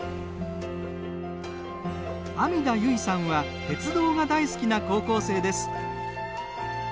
網田ゆいさんは鉄道が大好きな高校生です。